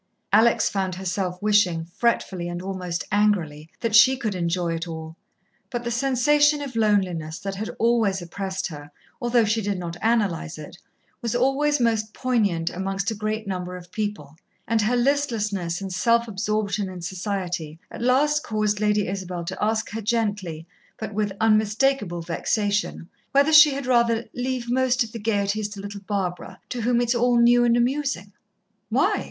Alex found herself wishing, fretfully and almost angrily, that she could enjoy it all. But the sensation of loneliness that had always oppressed her, although she did not analyse it, was always most poignant amongst a great number of people, and her listlessness and self absorption in society at last caused Lady Isabel to ask her gently, but with unmistakable vexation, whether she had rather "leave most of the gaieties to little Barbara, to whom it's all new and amusing." "Why?"